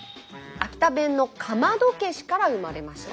秋田弁の「かまどけし」から生まれました。